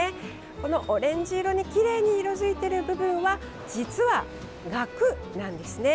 このオレンジ色にきれいに色づいている部分は実は、ガクなんですね。